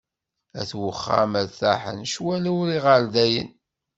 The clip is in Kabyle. At uxxam rtaḥen, ccwal ar iɣerdayen.